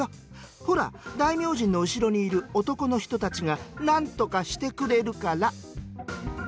ほら大明神の後ろにいる男の人たちが何とかしてくれるから」。